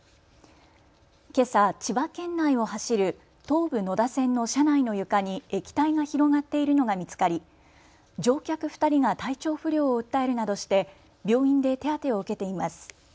けさ、千葉県内を走る東武野田線の車内の床に液体が広がっているのが見つかり乗客２人が体調不良を訴えるなどして病院で手当てを受けています。